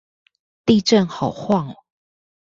地震好晃喔